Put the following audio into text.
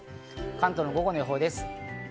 関東の午後の予報です。